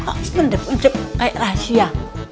kok sebentar penjep kayak rahasia